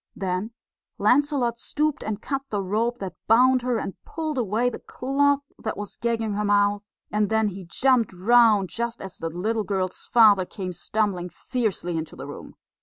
Then Lancelot stooped and cut the rope that bound her, and pulled away the cloth that was gagging her mouth; and then he jumped round just as the little girl's father came stumbling fiercely into the room.